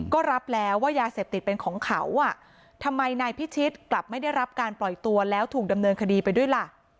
ก็รับแล้วว่ายาเสพติดเป็นของเขาอ่ะทำไมนายพิชิตกลับไม่ได้รับการปล่อยตัวแล้วถูกดำเนินคดีไปด้วยล่ะ